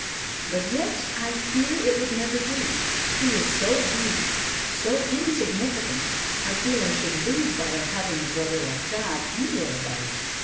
But yet I fear it would never do. He is so weedy, so insignificant. I feel I should lose by having a brother like that anywhere about.